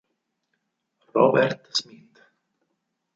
Robert Smith